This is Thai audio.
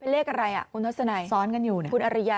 เลขอะไรคุณอริยะ